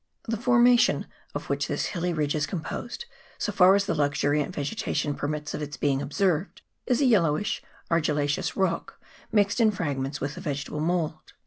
The formation of which this hilly ridge is com posed, so far as the luxuriant vegetation permits of its being observed, is a yellowish argillaceous rock, mixed in fragments with the vegetable mould.